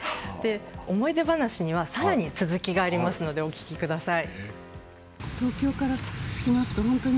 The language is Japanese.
思い出話には続きがあるのでお聞きください。